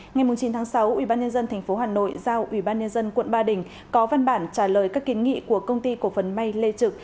ngày chín tháng sáu ubnd tp hà nội giao ubnd quận ba đình có văn bản trả lời các kiến nghị của công ty cổ phấn may lê trực